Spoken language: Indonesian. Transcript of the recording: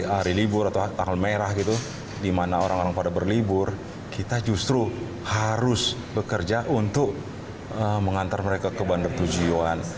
hari libur atau tanggal merah gitu di mana orang orang pada berlibur kita justru harus bekerja untuk mengantar mereka ke bandar tujuan